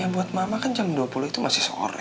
buat mama kan jam dua puluh itu masih sore